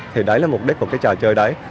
thì đấy là mục đích của cái trò chơi đấy